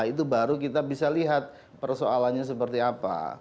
itu baru kita bisa lihat persoalannya seperti apa